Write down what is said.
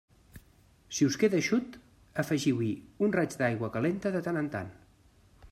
Si us queda eixut, afegiu-hi un raig d'aigua calenta de tant en tant.